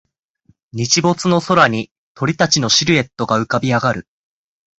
日没の空に鳥たちのシルエットが浮かび上がる